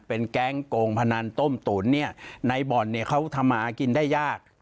เป็นแก๊งโกงพนันต้มตุ๋นในบ่อนเขาทำมากินได้ยาก